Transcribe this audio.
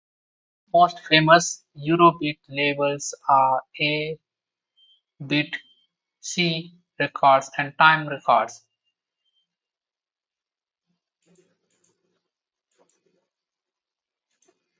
The two most famous Eurobeat labels are A-Beat-C Records and Time Records.